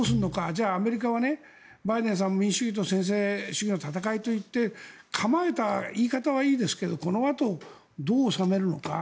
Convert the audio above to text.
じゃあアメリカはバイデンさん民主主義と専制主義の戦いといって構えた言い方はいいですけどこのあとどう収めるのか。